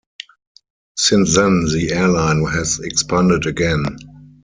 Since then the airline has expanded again.